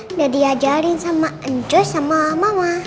udah diajarin sama enco sama mama